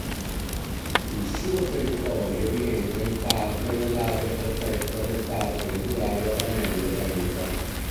Il suo territorio rientra in parte nell'area protetta del Parco naturale Adamello-Brenta.